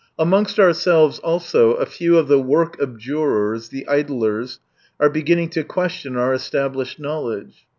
Amongst ourselves also a few of the work abjurors, the idlers, are beginning to question our established knowledge.